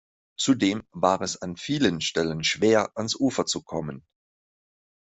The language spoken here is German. Zudem war es an vielen Stellen schwer, ans Ufer zu kommen.